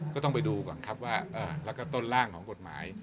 ก็ต้องไปดูก่อนครับว่าแล้วก็ต้นร่างของกฎหมาย